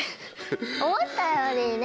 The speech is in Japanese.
思ったよりね。